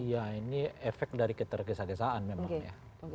ya ini efek dari ketergesa gesaan memang ya